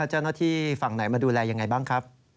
เจ้าหน้าที่ฝั่งไหนมาดูแลยังไงบ้างครับ